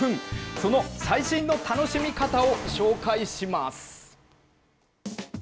その最新の楽しみ方を紹介します。